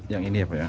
yang ini apa ya